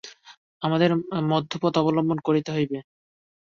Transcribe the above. আমাদের মধ্যপথ অবলম্বন করিতে হইবে।